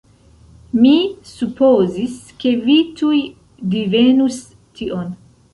Mi supozis, ke vi tuj divenus tion.